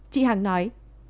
chị hằng nói